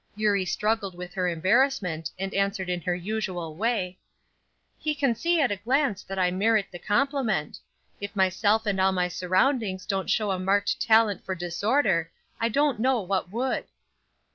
Eurie struggled with her embarrassment, and answered in her usual way: "He can see at a glance that I merit the compliment. If myself and all my surroundings don't show a marked talent for disorder, I don't know what would."